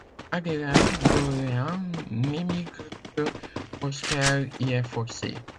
Adélaïde d'Orléans n'émigre que lorsqu'elle y est forcée.